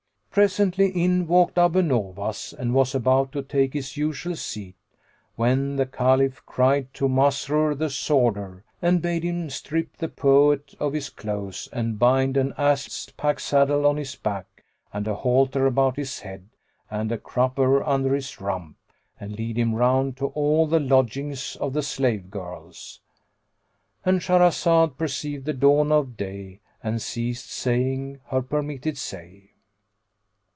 Presently, in walked Abu Nowas and was about to take his usual seat, when the Caliph cried to Masrur, the sworder, and bade him strip the poet of his clothes and bind an ass's packsaddle on his back and a halter about his head and a crupper under his rump and lead him round to all the lodgings of the slave girls, —And Shahrazad perceived the dawn of day and ceased saying her permitted say.